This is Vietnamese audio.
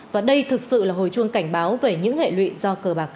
và đây thực sự là hồi chuông cảnh báo về những hệ lụy do cờ bạc gây ra